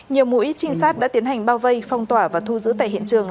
nhiều mũi trinh sát đã tiến hành bao vây phong tỏa và thu giữ tại hiện trường